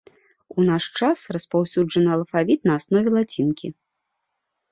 У наш час распаўсюджаны алфавіт на аснове лацінкі.